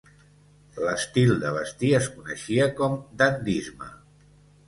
L'estil de vestir es coneixia com dandisme.